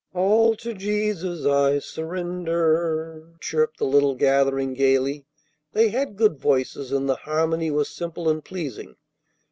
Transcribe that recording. "All to Jesus I surrender!" chirped the little gathering gayly. They had good voices, and the harmony was simple and pleasing.